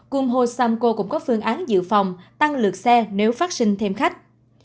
cung ho samco cũng có phương án dự phòng tăng lượt xe nếu phát sinh thêm khách